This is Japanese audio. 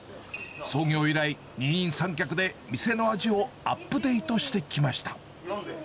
創業以来、二人三脚で店の味をアップデートしてきました。